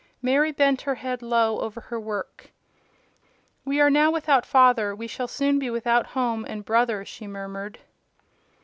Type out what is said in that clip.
Mary bent her head low over her work. "We are now without father: we shall soon be without home and brother," she murmured.